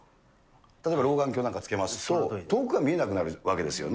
例えば老眼鏡なんかつけますと、遠くが見えなくなるわけですよね。